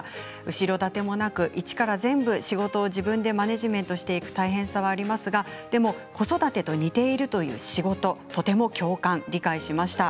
後ろ盾もなく一から全部仕事を自分でマネージメントしていく大変さはありますがでも子育てと似ているという仕事とても共感、理解しました。